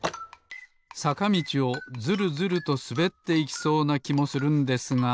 さかみちをズルズルとすべっていきそうなきもするんですが。